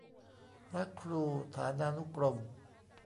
พระครูฐานานุกรม